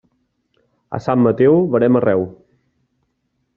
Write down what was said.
A Sant Mateu, verema arreu.